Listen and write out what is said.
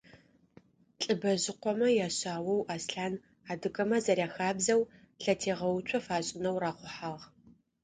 ЛӀыбэжъыкъомэ яшъаоу Аслъан, адыгэмэ зэряхабзэу, лъэтегъэуцо фашӏынэу рахъухьагъ.